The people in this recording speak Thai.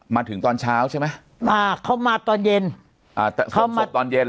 มาถึงตอนเช้าใช่ไหมมาเขามาตอนเย็นอ่าแต่เขามาศพตอนเย็น